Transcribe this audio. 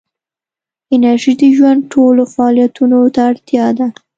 انرژي د ژوند ټولو فعالیتونو ته اړتیا ده.